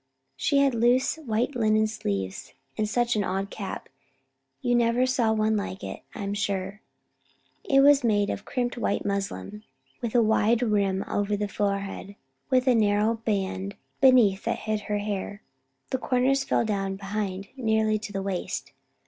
She had loose white linen sleeves, and such an odd cap. You never saw one like it, I am sure. It was made of crimped white muslin with a wide rim over the forehead, with a narrow band beneath that hid her hair. The corners fell down behind nearly to the waist.